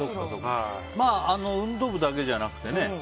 まあ、運動部だけじゃなくてね